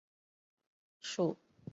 属邕州羁縻。